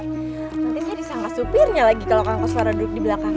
nanti saya disangka supirnya lagi kalau kanker suara duduk di belakang